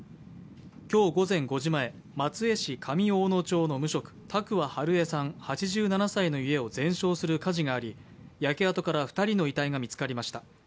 今日午前５時前、松江市上大野町の無職、多久和ハルエさん８７歳の家を全焼する火事があり焼け跡から２人の遺体が見つかりました。